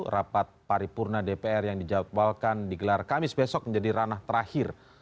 rapat paripurna dpr yang dijawabkan di gelar kamis besok menjadi ranah terakhir